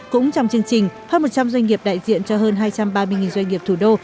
cũng trong chương trình hơn một trăm linh doanh nghiệp đại diện cho hơn hai trăm ba mươi doanh nghiệp thủ đô